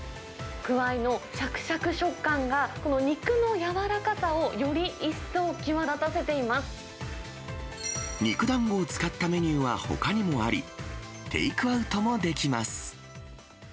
クワイのしゃくしゃく食感が、この肉の柔らかさを、より一層際肉団子を使ったメニューはほかにもあり、テイクアウトもできます。